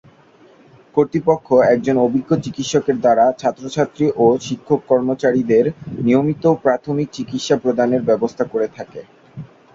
কর্তৃপক্ষ একজন অভিজ্ঞ চিকিৎসকের দ্বারা ছাত্রছাত্রী ও শিক্ষক-কর্মচারীদের নিয়মিত প্রাথমিক চিকিৎসা প্রদানের ব্যবস্থা করে থাকে।